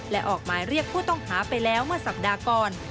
และออกหมายเรียกผู้ต้องหาไปแล้วเมื่อสัปดาห์ก่อน